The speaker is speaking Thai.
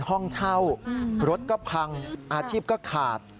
ห้องเช่ารถก็พังอาชีพก็ขาด